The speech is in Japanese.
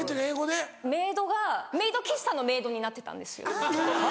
「冥土」がメイド喫茶の「メイド」になってたんですよ。